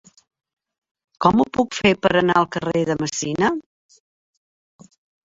Com ho puc fer per anar al carrer de Messina?